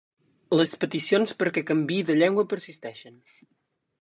Les peticions perquè canviï de llengua persisteixen.